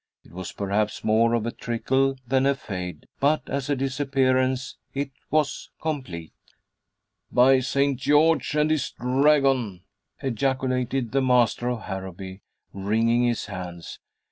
It was perhaps more of a trickle than a fade, but as a disappearance it was complete. "By St. George and his Dragon!" ejaculated the master of Harrowby, wringing his hands.